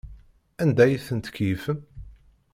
Anda ay ten-tkeyyfem?